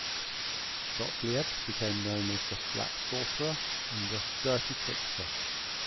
Gottlieb became known as the "Black Sorcerer" and the "Dirty Trickster.